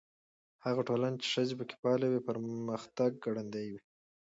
هغه ټولنه چې ښځې پکې فعالې وي، پرمختګ ګړندی وي.